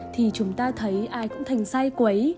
thì chúng ta thấy ai cũng thành sai quấy